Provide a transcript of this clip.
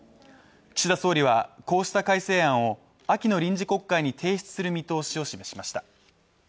岸田総理はこうした改正案を秋の臨時国会に提出する見通しを示しました。